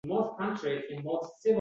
Qizimning holatini tasvirlab berolmayman